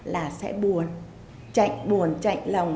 là sẽ buồn chạy buồn chạy lòng